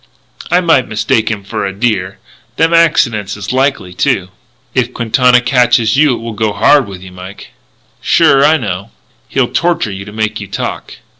"I might mistake him for a deer. Them accidents is likely, too." "If Quintana catches you it will go hard with you, Mike." "Sure. I know." "He'll torture you to make you talk."